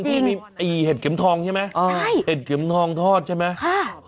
ที่มีไอ้เห็ดเข็มทองใช่ไหมใช่เห็ดเข็มทองทอดใช่ไหมค่ะ